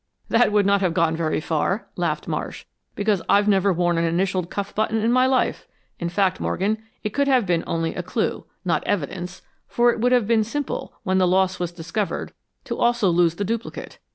"That would not have gone very far," laughed Marsh, "because I've never worn an initialed cuff button in my life. In fact, Morgan, it could have been only a clue not evidence for it would have been simple, when the loss was discovered, to also lose the duplicate.